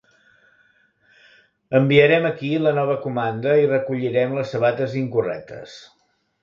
Enviarem aquí la nova comanda i recollirem les sabates incorrectes.